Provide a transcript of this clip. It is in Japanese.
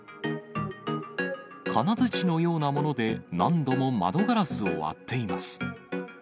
金づちのようなもので、何度も窓ガラスを割っています。